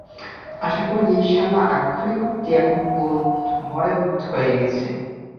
আশা করি, ওই শালা আক্ষরিক অর্থেই এখন মরে ভূত হয়ে গেছে!